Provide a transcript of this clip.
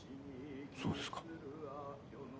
そうですか。